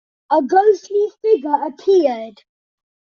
A ghostly figure appeared.